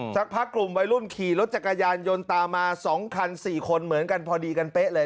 สักพักกลุ่มวัยรุ่นขี่รถจักรยานยนต์ตามมา๒คัน๔คนเหมือนกันพอดีกันเป๊ะเลย